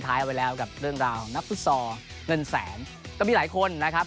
ค้าที่เอาแล้วเรื่องราวนับฟุสเซาะงนแสนก็มีหลายคนนะครับ